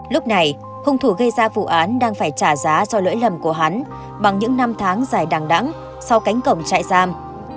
lúc này hung thủ gây ra vụ án đang phải trả giá cho lỗi lầm của hắn bằng những năm tháng dài đằng đẳng sau cánh cổng chạy giam